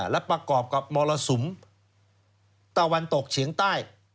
และประกอบกับมรสุมตะวันตกเฉียงใต้